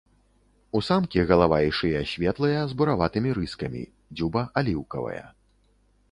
У самкі галава і шыя светлыя з бураватымі рыскамі, дзюба аліўкавая.